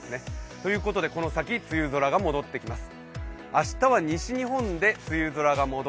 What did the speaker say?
ということでこの先、梅雨空が戻ってきます。